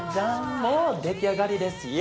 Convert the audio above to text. もう出来上がりですよ！